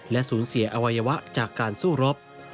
และสูญเสียอวัยวะจากการสู้รบ